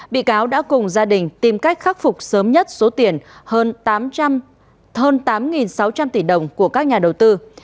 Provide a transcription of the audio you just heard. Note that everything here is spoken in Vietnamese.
bị cáo đã cùng gia đình tìm cách khắc phục sớm nhất số tiền hơn tám sáu trăm linh tỷ đồng của các nhà đầu tư